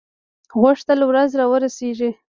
غوښتل ورځ را ورسیږي.